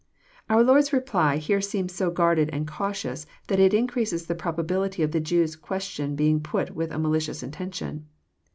']— Our Lord's reply here seems so guarded and cautious, that it increases the probability of the Jews' question being put with a malicious intention.